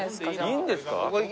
いいんですか？